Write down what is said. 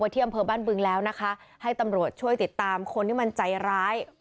ที่อำเภอบ้านบึงแล้วนะคะให้ตำรวจช่วยติดตามคนที่มันใจร้าย